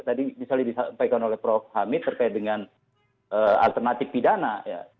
tadi misalnya disampaikan oleh prof hamid terkait dengan alternatif pidana ya